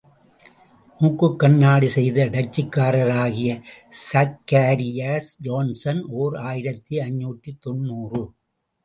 மூக்குக்கண்ணாடி செய்த டச்சுக்காரராகிய சக்காரியாஸ் ஜேன்சன், ஓர் ஆயிரத்து ஐநூற்று தொன்னூறு.